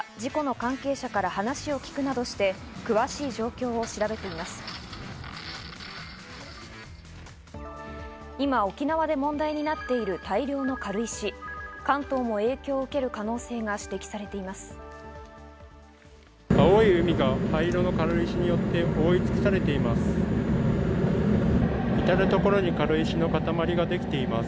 関東も影響を受ける可能性が指摘されています。